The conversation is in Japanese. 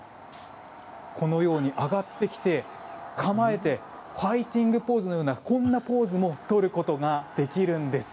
このように上がってきて構えてファイティングポーズのようなこんなポーズもとることができるんです。